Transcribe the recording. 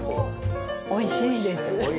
・おいしいです。